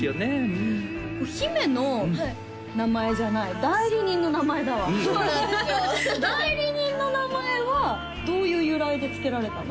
うん姫の名前じゃない代理人の名前だわそうなんですよ代理人の名前はどういう由来で付けられたの？